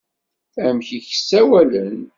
Amek i k-ssawalen?